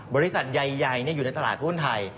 บริษัทใหญ่อยู่ในตลาดหุ้นไทย